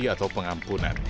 dan juga mengajukan pengampunan